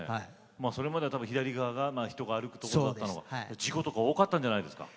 それまで左側が人が歩くところで事故とか多かったんじゃないですか？